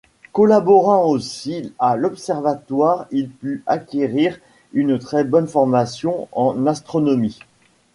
Collaborant aussi à l'observatoire, il put acquérir une très bonne formation en astronomie.